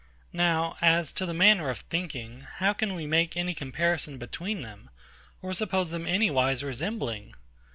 Now, as to the manner of thinking; how can we make any comparison between them, or suppose them any wise resembling?